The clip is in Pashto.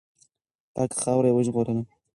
پاکه خاوره یې وژغورله.